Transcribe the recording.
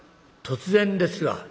『突然ですが』」。